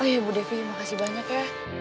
oh iya bu devi terima kasih banyak ya